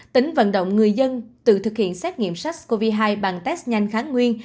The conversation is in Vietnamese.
tỉnh vận động người dân từ thực hiện xét nghiệm sars cov hai bằng test nhanh kháng nguyên